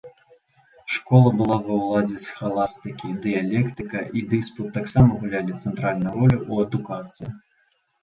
Школа была ва ўладзе схаластыкі, дыялектыка і дыспут таксама гулялі цэнтральную ролю ў адукацыі.